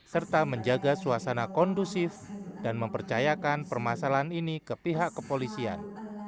serta menjaga suasana kondusif dan mempercayakan permasalahan ini ke pihak kepolisian